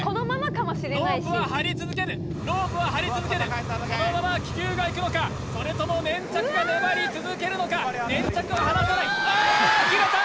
ロープは張り続けるロープは張り続けるこのまま気球がいくのかそれとも粘着が粘り続けるのか粘着は離さないあー切れた！